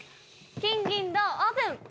金銀銅オープン！